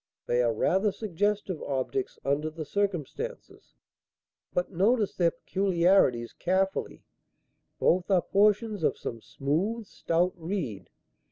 They are rather suggestive objects under the circumstances. But notice their peculiarities carefully. Both are portions of some smooth, stout reed.